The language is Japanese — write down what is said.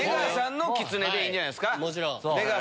でいいんじゃないですか？